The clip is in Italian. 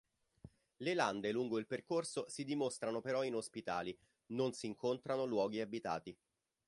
Le lande lungo il percorso si dimostrano però inospitali: non si incontrano luoghi abitati.